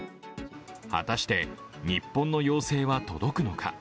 果たして日本の要請は届くのか。